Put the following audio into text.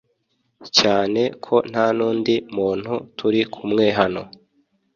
cyane ko ntanundi muntu turi kumwe hano